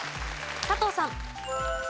佐藤さん。